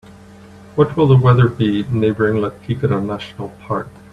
What will the weather be neighboring La Tigra National Park?